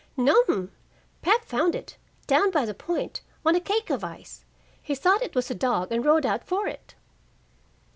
"No'm. Pap found it, down by the Point, on a cake of ice. He thought it was a dog, and rowed out for it."